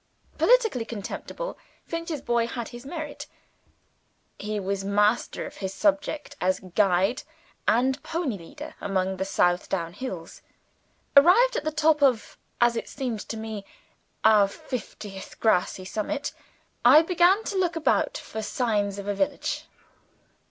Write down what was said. Politically contemptible, Finch's boy had his merit he was master of his subject as guide and pony leader among the South Down Hills. Arrived at the top of (as it seemed to me) our fiftieth grassy summit, I began to look about for signs of the village.